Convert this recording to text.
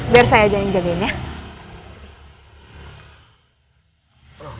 biar saya aja yang jagain ya